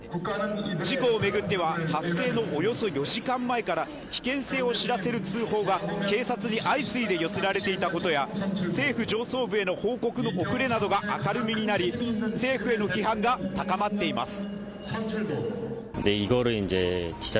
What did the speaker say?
事故を巡っては、発生のおよそ４時間前から危険性を知らせる通報が警察に相次いで寄せられていたことや政府上層部への報告の遅れなどが明るみになり政府への批判が高まっています。